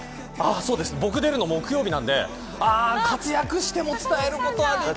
僕出るの、木曜なので活躍しても伝えることはできない。